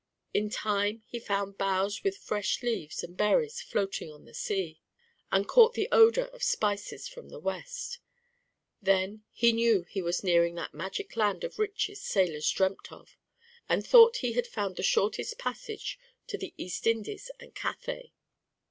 In time he found boughs with fresh leaves and berries floating on the sea, and caught the odor of spices from the west. Then he knew he was nearing that magic land of riches sailors dreamt of, and thought he had found the shortest passage to the East Indies and Cathay.